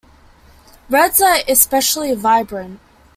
Reds are especially vibrant.